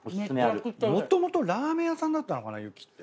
もともとラーメン屋さんだったのかなゆきって。